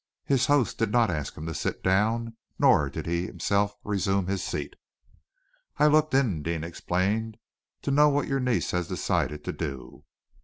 His host did not ask him to sit down, nor did he himself resume his seat. "I looked in," Deane explained, "to know what your niece had decided to do."